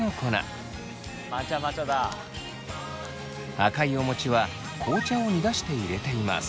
赤いお餅は紅茶を煮出して入れています。